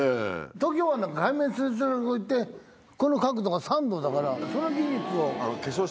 東京湾なんか海面すれすれのとこ行ってこの角度が３度だからその技術を。